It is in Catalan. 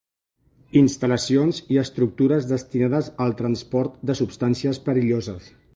Instal·lacions i estructures destinades al transport de substàncies perilloses.